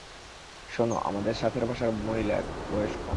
শোনো, আমাদের সাথের বাসার মহিলা একটু বয়স্ক।